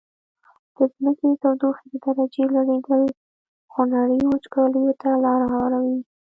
د ځمکي د تودوخي د درجي لوړیدل خونړیو وچکالیو ته لاره هواروي.